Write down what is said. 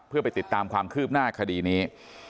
เพื่อไปติดตามความคืบหน้าคดีนี้